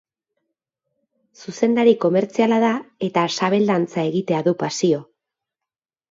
Zuzendari komertziala da eta sabel-dantza egitea du pasio.